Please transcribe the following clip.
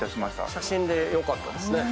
写真でよかったですね。